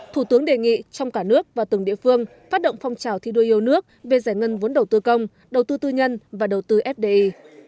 thủ tướng đề nghị trong cả nước và từng địa phương phát động phong trào thi đua yêu nước về giải ngân vốn đầu tư công đầu tư tư nhân và đầu tư fdi